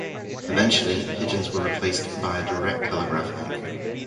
Eventually, pigeons were replaced by a direct telegraph link.